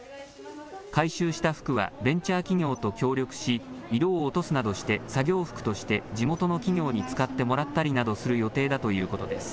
回収した服は、ベンチャー企業と協力し、色を落とすなどして作業服として、地元の企業に使ってもらったりなどする予定だということです。